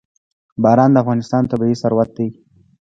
باران د افغانستان طبعي ثروت دی.